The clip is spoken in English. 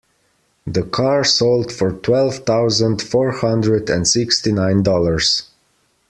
The car sold for twelve thousand four hundred and sixty nine dollars.